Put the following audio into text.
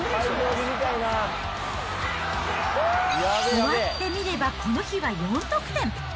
終わってみればこの日は４得点。